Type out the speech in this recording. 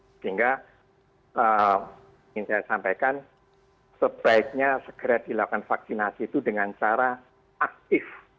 sehingga ingin saya sampaikan sebaiknya segera dilakukan vaksinasi itu dengan cara aktif